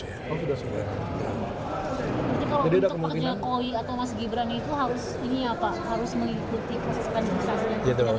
jadi kalau untuk pak jokowi atau mas gibran itu harus mengikuti proses penyelidikan lima tahun